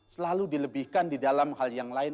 selalu dilebihkan di dalam hal yang lain